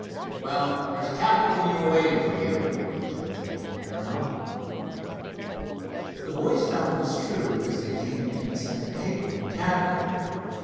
"Well, there's a capital meal waiting for you," observed the old aeronaut. The boys found this true as they came in at second table in the cabin.